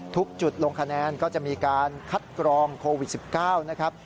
ทุกจุดลงคะแนนก็จะมีการคัดกรองโควิด๑๙นะครับ